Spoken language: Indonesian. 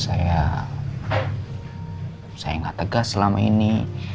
ya karena saya gak tegas selama ini